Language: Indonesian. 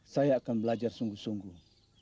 saya akan belajar sungguh sungguh